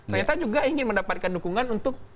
ternyata juga ingin mendapatkan dukungan untuk